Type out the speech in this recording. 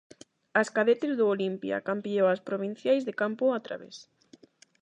As cadetes do Olimpia, campioas provinciais de campo a través.